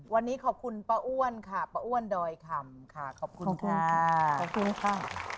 วันนี้ขอบคุณป้าอ้วนค่ะป้าอ้วนดอยคำค่ะขอบคุณค่ะขอบคุณค่ะ